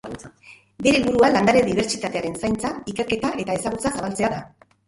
Bere helburua landare dibertsitatearen zaintza, ikerketa eta ezagutza zabaltzea da.